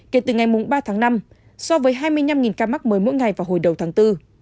kể từ ngày ba tháng năm so với hai mươi năm ca mắc mới mỗi ngày vào hồi đầu tháng bốn